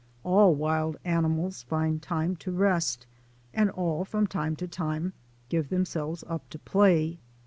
All wild animals find time to rest, and all from time to time give them selves up to play.